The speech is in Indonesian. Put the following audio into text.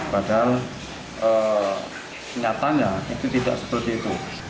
padahal nyatanya itu tidak seperti itu